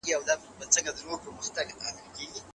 ذهني فشار د انسان روغتیا خرابوي.